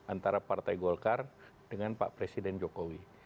antara partai golkar dengan pak presiden jokowi